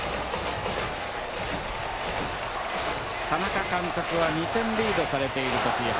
田中監督は２点リードされているとき